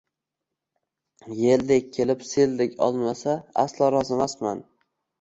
Yeldek kelib, seldek olmasa, aslo rozimasman!